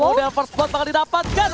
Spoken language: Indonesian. oh dan first blood bakal didapatkan